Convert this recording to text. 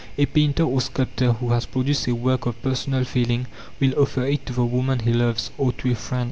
A painter or sculptor who has produced a work of personal feeling will offer it to the woman he loves, or to a friend.